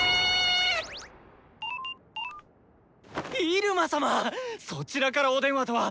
入間様⁉そちらからお電話とは！